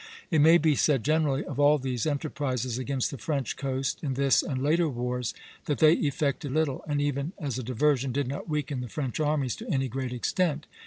It may be said generally of all these enterprises against the French coast, in this and later wars, that they effected little, and even as a diversion did not weaken the French armies to any great extent.